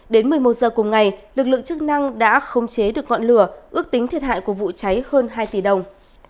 đến một mươi một giờ cùng ngày lực lượng chức năng đã khống chế được ngọn lửa ước tính thiệt hại của vụ cháy hơn hai tỷ đồng